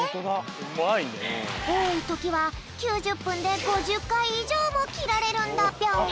おおいときは９０ぷんで５０かいいじょうもきられるんだぴょん。